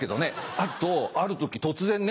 あとある時突然ね